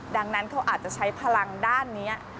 ดังนั้นเขาอาจจะใช้พลังด้านนี้